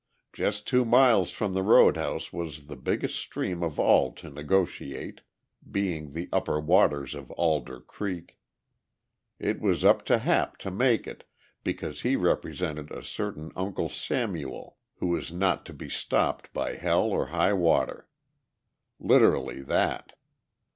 Just two miles from the road house was the biggest stream of all to negotiate, being the upper waters of Alder Creek. It was up to Hap to make it because he represented a certain Uncle Samuel who was not to be stopped by hell or high water; literally that.